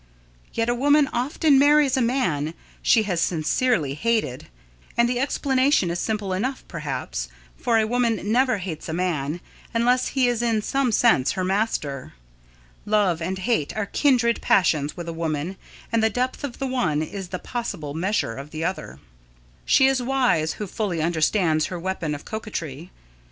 Yet a woman often marries a man she has sincerely hated, and the explanation is simple enough, perhaps, for a woman never hates a man unless he is in some sense her master. Love and hate are kindred passions with a woman and the depth of the one is the possible measure of the other. She is wise who fully understands her weapon of coquetry.